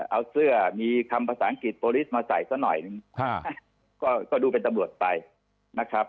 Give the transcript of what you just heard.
เอาเสื้อมีคำภาษาอังกฤษโปรลิสมาใส่ซะหน่อยหนึ่งก็ดูเป็นตำรวจไปนะครับ